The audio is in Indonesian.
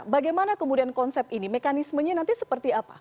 bagaimana kemudian konsep ini mekanismenya nanti seperti apa